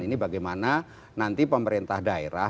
ini bagaimana nanti pemerintah daerah